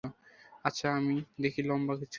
আচ্ছা, আমি দেখি লম্বা কিছু।